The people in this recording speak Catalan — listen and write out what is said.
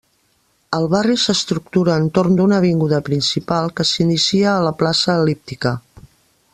El barri s'estructura entorn d'una avinguda principal que s'inicia a la Plaça El·líptica.